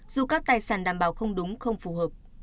dù các tài sản đảm bảo không đúng không phù hợp